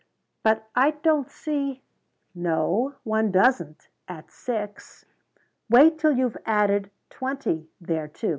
"But I don't see " "No, one doesn't at six. Wait till you've added twenty thereto."